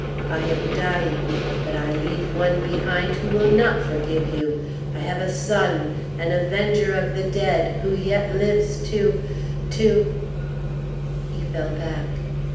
I am dying; but I leave one behind who will not forgive you. I have a son, an avenger of the dead, who yet lives to to " He fell back.